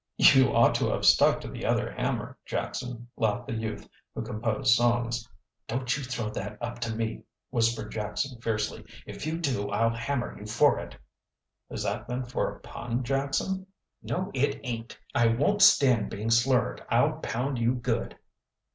"You ought to have stuck to the other hammer, Jackson," laughed the youth who composed songs. "Don't you throw that up to me!" whispered Jackson fiercely. "If you do I'll hammer you for it." "Is that meant for a pun, Jackson?" "No, it ain't. I won't stand being slurred. I'll pound you good."